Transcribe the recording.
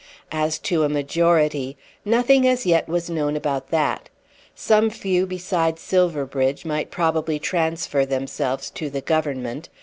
As to a majority, nothing as yet was known about that. Some few besides Silverbridge might probably transfer themselves to the Government.